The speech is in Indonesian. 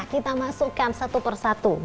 kita masukkan satu per satu